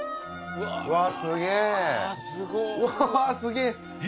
うわすげぇ。